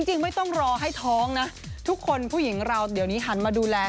จริงไม่ต้องรอให้ท้องนะทุกคนผู้หญิงเราเดี๋ยวนี้หันมาดูแล